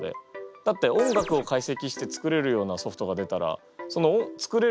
だって音楽をかいせきして作れるようなソフトが出たらその作れる